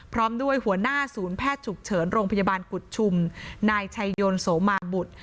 พร้อมด้วยหัวหน้าศูนย์แพทย์ฉุกเฉินโรงพยาบาลกุฎชุมนายชัยยนต์โสมาบุตร